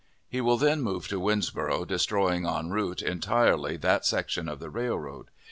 He will then move to Winnsboro', destroying en route utterly that section of the railroad.